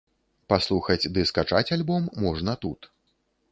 Паслухаць ды скачаць альбом можна тут!